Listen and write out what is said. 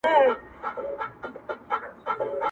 نه په ژوند کي د مرغانو غوښی خومه!